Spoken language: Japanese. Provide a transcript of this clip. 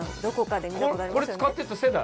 これ使ってた世代？